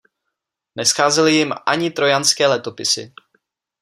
Nescházely jim ani Trojanské letopisy.